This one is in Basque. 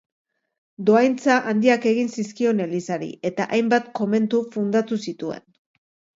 Dohaintza handiak egin zizkion Elizari, eta hainbat komentu fundatu zituen.